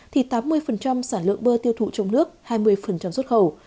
thì tám mươi sản lượng bơ tiêu thụ trong nước hai mươi xuất khẩu